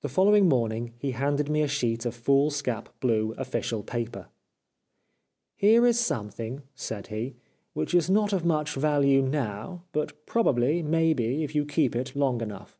The following morning he handed me a sheet of foolscap blue official paper. " Here is some thing," said he, ''which is not of much value now, but probably may be if you keep it long enough."